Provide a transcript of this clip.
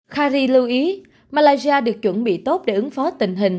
khari lưu ý malaysia được chuẩn bị tốt để ứng phó tình hình